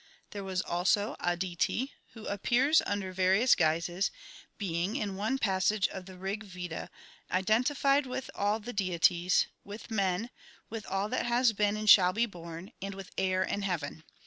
There was also Aditi, who appears under various guises, being, in one passage of the Rig Veda, identified with all the deities, with men, with all that has been and shall be born, and with air and heaven.